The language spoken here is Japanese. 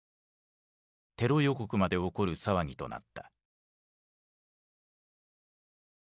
テロ予告まで起こる騒ぎとなった。